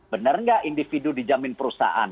benar nggak individu dijamin perusahaan